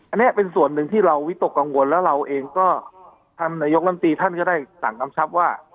อันนี้เป็นส่วนหนึ่งที่เราวิตกกังวลแล้วเราเองก็ท่านนายกลำตีท่านก็ได้สั่งกำชับว่า